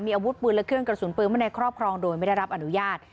อาวุธปืนและเครื่องกระสุนปืนไว้ในครอบครองโดยไม่ได้รับอนุญาต